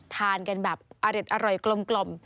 ทานกันแบบอร่อยกลม